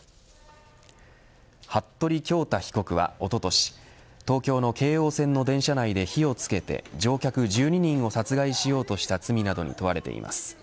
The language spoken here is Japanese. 服部恭太被告は、おととし東京の京王線の電車内で火をつけて乗客１２人を殺害しようとした罪などに問われています。